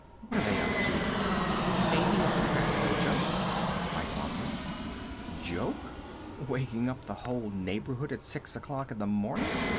What are they up to?" "Maybe it's a practical joke," his wife offered. "Joke? Waking up the whole neighborhood at six o'clock in the morning?"